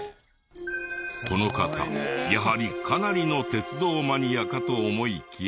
この方やはりかなりの鉄道マニアかと思いきや。